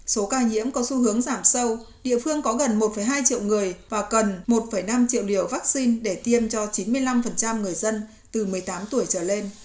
số ca nhiễm có xu hướng giảm sâu địa phương có gần một hai triệu người và cần một năm triệu liều vaccine để tiêm cho chín mươi năm người dân từ một mươi tám tuổi trở lên